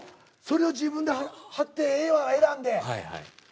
それを自分で貼ってええのを選んで。